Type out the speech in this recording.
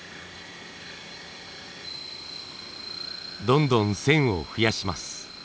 どんどん線を増やします。